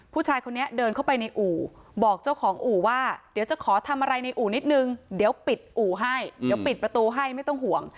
ผู้ชายคนนี้เดินเข้าไปในอู่บอกเจ้าของอู่ว่าเดี๋ยวจะขอทำอะไรในอู่นิดนึงเดี๋ยวปิดอู่ให้เดี๋ยวปิดประตูให้ไม่ต้องห่วง